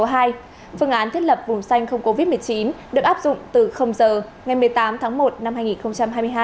phương án thiết lập vùng xanh không covid một mươi chín được áp dụng từ giờ ngày một mươi tám tháng một năm hai nghìn hai mươi hai